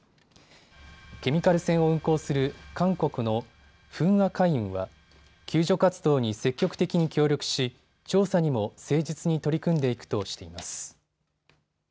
ケミカル船を運航する韓国のフンア海運は救助活動に積極的に協力し調査にも誠実に取り組んでいくとしています。